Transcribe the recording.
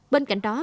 bên cạnh đó